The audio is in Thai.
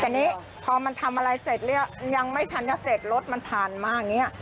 แต่นี้พอมันทำอะไรเสร็จแล้วยังไม่ทันจะเสร็จรถมันผ่านมาอย่างนี้